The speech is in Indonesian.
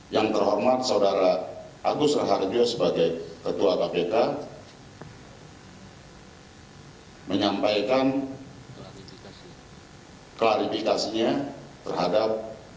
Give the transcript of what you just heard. yang terhormat saudara agus raharjo sebagai ketua kpk menyampaikan klarifikasinya terhadap